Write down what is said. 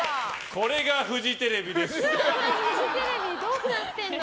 これが、フジテレビです！